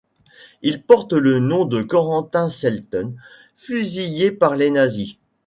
Il porte le nom de Corentin Celton, fusillé par les nazis.